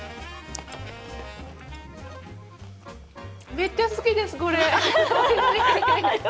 めっちゃ好きです、これ。